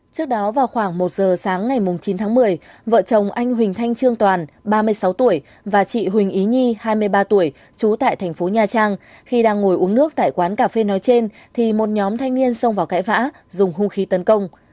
trước đó vào khoảng một giờ sáng ngày chín tháng một mươi vợ chồng anh huỳnh thanh trương toàn ba mươi sáu tuổi và chị huỳnh ý nhi hai mươi ba tuổi trú tại thành phố nha trang khi đang ngồi uống nước tại quán cà phê nói trên thì một nhóm thanh niên xông vào cãi vã dùng hung khí tấn công